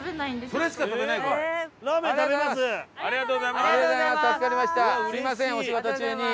すみませんお仕事中に。